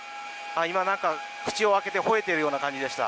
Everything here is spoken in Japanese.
今、口を開けてほえているような感じでした。